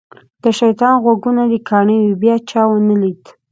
د شیطان غوږونه دې کاڼه وي بیا چا ونه لید.